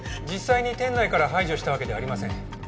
実際に店内から排除したわけではありません。